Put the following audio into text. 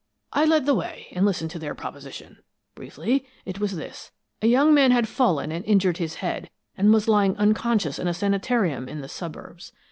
"I led the way, and listened to their proposition. Briefly, it was this: a young man had fallen and injured his head, and was lying unconscious in a sanitarium in the suburbs.